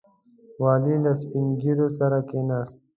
والي له سپین ږیرو سره کښېناست.